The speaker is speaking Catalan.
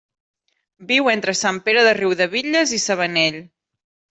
Viu entre Sant Pere de Riudebitlles i Sabanell.